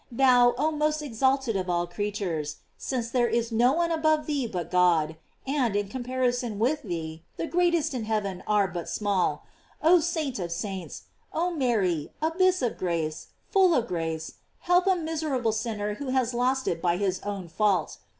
Thou, oh most ex alted of all creatures, since there is no one above thee but God, and, in comparison with thee, the greatest in heaven are but small; oh saint of saints, oh Mary, abyss of grace, full of grace, help a miserable sinner who has lost it by his own fault.